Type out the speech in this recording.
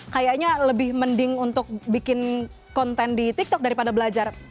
kayaknya lebih mending untuk bikin konten di tiktok daripada belajar